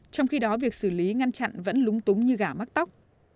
trong khi đó việc xử lý ngăn chặn vẫn lúng túng như gả mắc tóc